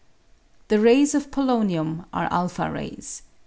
171 The rays of polonium are a rays.